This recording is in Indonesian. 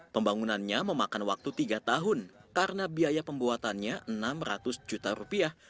pembangunannya memakan waktu tiga tahun karena biaya pembuatannya enam ratus juta rupiah